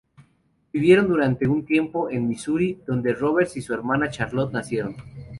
Vivieron durante un tiempo en Missouri, donde Roberts y su hermana Charlotte nacieron.